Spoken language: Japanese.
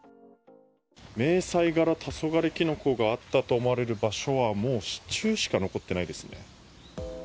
迷彩柄黄昏きの子があったと思われる場所はもう支柱しか残ってないですね。